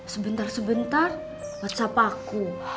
sebentar sebentar whatsapp aku